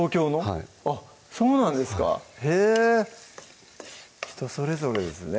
はいあっそうなんですかへぇ人それぞれですね